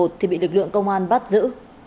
thì bị lực lượng công an bắt giữ